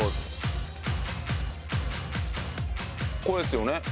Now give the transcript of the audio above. これですよね